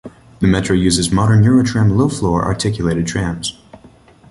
The Metro uses modern Eurotram low-floor, articulated trams.